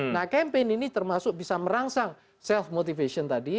nah campaign ini termasuk bisa merangsang self motivation tadi